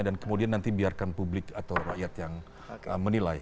dan kemudian nanti biarkan publik atau rakyat yang menilai